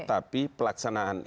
tapi pelaksanaan itu